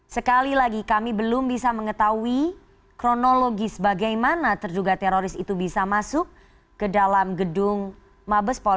sekali lagi kami belum bisa mengetahui kronologis bagaimana terduga teroris itu bisa masuk ke dalam gedung mabes polri